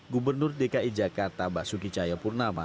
gubernur dki jakarta basuki caya purnama